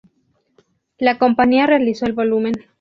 La compañía realizó el volumen.